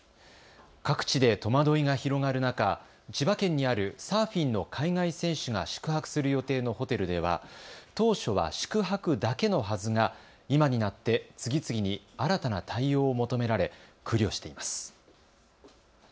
各地で戸惑いが広がる中、千葉県にあるサーフィンの海外選手が宿泊する予定のホテルでは当初は宿泊だけのはずが今になって次々に新たな対応を求められ苦慮しています。